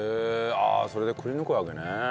ああそれでくりぬくわけね。